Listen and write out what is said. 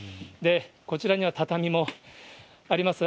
こちらには畳もあります。